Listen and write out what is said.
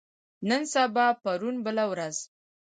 نن سبا پرون بله ورځ